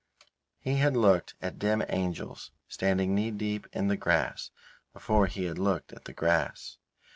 He had looked at dim angels standing knee deep in the grass before he had looked at the grass.